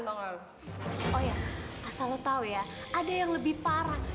oh iya asal lo tau ya ada yang lebih parah